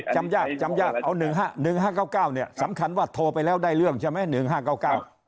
จำยากจำยาก๑๕๙๙เนี่ยสำคัญว่าโทรไปแล้วได้เรื่องใช่ไหม๑๕๙๙